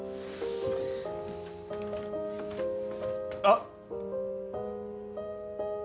あっ！